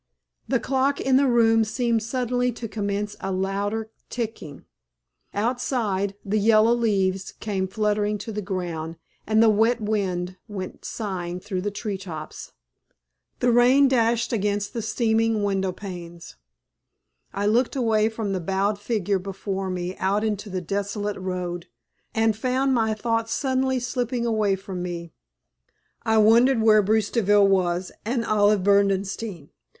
The clock in the room seemed suddenly to commence a louder ticking; outside, the yellow leaves came fluttering to the ground, and the wet wind went sighing through the tree tops. The rain dashed against the steaming window panes. I looked away from the bowed figure before me out into the desolate road, and found my thoughts suddenly slipping away from me. I wondered where Bruce Deville was, and Olive Berdenstein.